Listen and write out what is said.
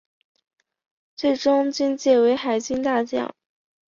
最终军阶为海军大将。